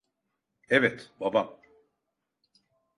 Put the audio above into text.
Evet, babam.